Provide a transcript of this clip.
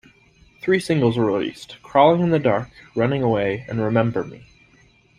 Three singles were released, "Crawling in the Dark", "Running Away", and "Remember Me".